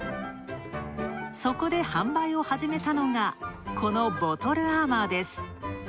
そこで販売を始めたのがこのボトルアーマーです。